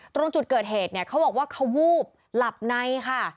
ตรงจุดเกิดเหตุเนี่ยเขาบอกว่าเขาวูบหลับในค่ะ